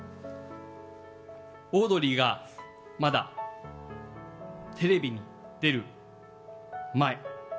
オードリーがまだテレビに出る前